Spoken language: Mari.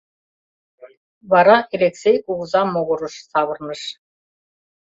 Вара Элексей кугыза могырыш савырныш.